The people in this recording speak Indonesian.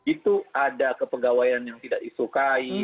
itu ada kepegawaian yang tidak disukai